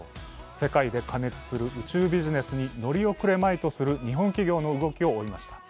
世界で過熱する宇宙ビジネスに乗り遅れまいとする日本企業の動きを追いました。